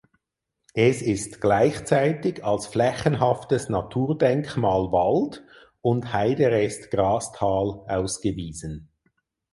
Es ist gleichzeitig als Flächenhaftes Naturdenkmal Wald und Heiderest Grastal ausgewiesen.